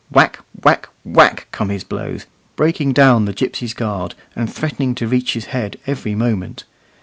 Whack, whack, whack, come his blows, breaking down the gipsy's guard, and threatening to reach his head every moment.